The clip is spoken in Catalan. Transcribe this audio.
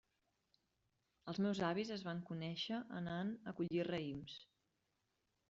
Els meus avis es van conèixer anant a collir raïms.